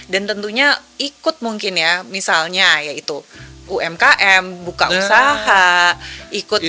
dan tentunya ikut mungkin ya misalnya ya itu umkm buka usaha ikut